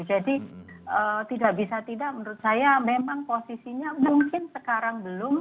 jadi tidak bisa tidak menurut saya memang posisinya mungkin sekarang belum